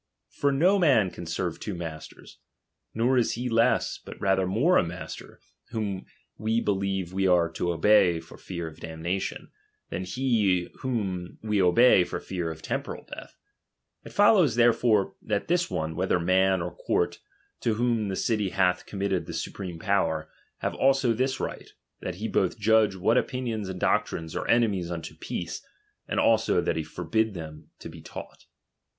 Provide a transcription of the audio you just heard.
For no man can serve two masters ; nor is he less, but rather more a master, whom we believe we are to obey for fear of damnation, than he whom we obey for fear of temporal death. It fol lows therefore that this one, whether man or court, to whom the city hath committed the su preme power, have also this right ; that he both judge what opinions* and doctrines are enemies ' Judge what opin fife] There is s my principle, I DOMINION. 79 Tiiito peace, and also that he forbid them to be chap. ^ taught.